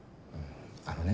あのね。